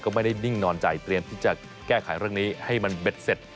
ก็ไม่ได้นิ่งนอนใจเตรียมที่จะแก้ไขเรื่องนี้ให้มันเบ็ดเสร็จ